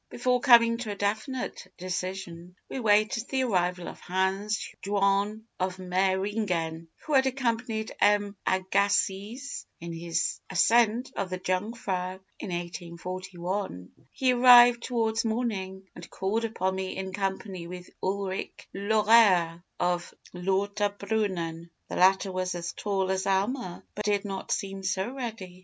"Before coming to a definite decision, we waited the arrival of Hans Jaun of Meyringen, who had accompanied M. Agassiz in his ascent of the Jungfrau (in 1841). He arrived towards morning, and called upon me in company with Ulrich Lauerer, of Lauterbrunnen. The latter was as tall as Almer, but did not seem so ready.